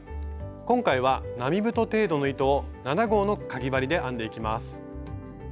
今回は並太程度の糸を７号のかぎ針で編んでいきます。